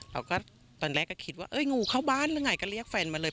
ตอนแรกก็คิดว่างูเข้าบ้านหรือไงก็เรียกแฟนมาเลย